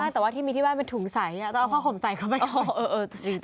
แต่ว่าที่มีที่บ้านเป็นถุงใสต้องเอาผ้าห่มใส่เข้าไปเอา